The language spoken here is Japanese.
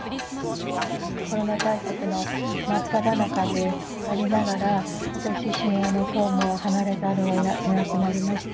コロナ対策の真っただ中でありながら、私自身、公務を離れざるをえなくなりました。